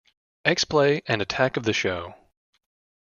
"X-Play" and "Attack of the Show!